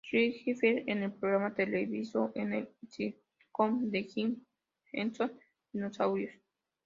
Richfield, en el programa televisivo en el sitcom de Jim Henson "Dinosaurios".